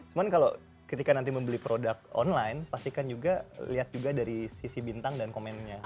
cuman kalau ketika nanti membeli produk online pastikan juga lihat juga dari sisi bintang dan komennya